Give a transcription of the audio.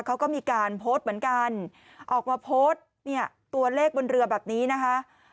เขาก็มีการโพสต์เหมือนกันออกมาโพสต์เนี่ยตัวเลขบนเรือแบบนี้นะคะ